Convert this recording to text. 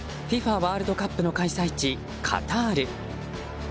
ワールドカップの開催地、カタール。